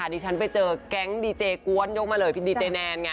อันนี้ฉันไปเจอแก๊งดีเจกว้อนยกมาเลยพี่ดีเจแนน